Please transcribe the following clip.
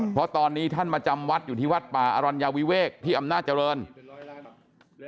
เพราะตอนนี้ท่านมาจำวัดอยู่ที่วัดป่าอรัญญาวิเวกที่อำนาจเจริญ